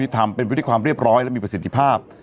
ทำเป็นไปด้วยความเรียบร้อยและมีประสิทธิภาพ